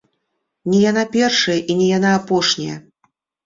Не яна першая, і не яна апошняя!